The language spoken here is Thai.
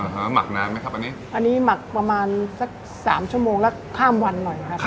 หมักนานไหมครับอันนี้อันนี้หมักประมาณสักสามชั่วโมงแล้วข้ามวันหน่อยนะครับ